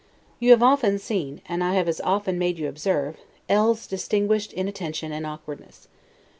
You have often seen, and I have as often made you observe L 's distinguished inattention and awkwardness.